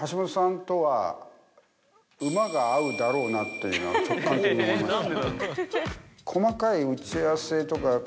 というのは直感的に思いましたね。